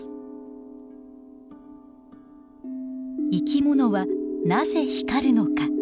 生き物はなぜ光るのか？